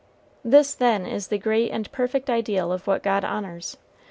This, then, is the great and perfect ideal of what God honors.